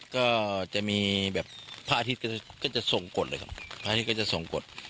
ก็จะมีแบบพระอาทิตย์ก็จะส่งกฎเลยครับพระอาทิตย์ก็จะส่งกฎ